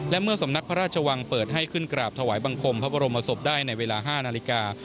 และเมื่อสำนักพระราชวังเปิดให้ขึ้นกราบถวายบังคมพระบรมศพได้ในเวลา๕นาฬิกา